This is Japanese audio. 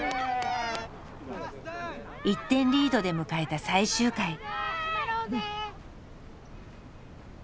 １点リードで迎えた最終回。